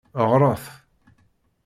Ɣret!